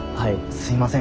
すいません。